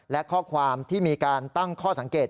และข้อความที่มีการตั้งข้อสังเกต